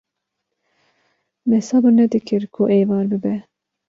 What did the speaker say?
Me sebir nedikir ku êvar bibe